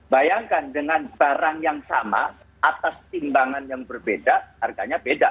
bayangkan dengan barang yang sama atas timbangan yang berbeda harganya beda